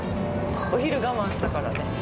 お昼我慢したからね。